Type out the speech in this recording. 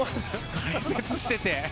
解説してて。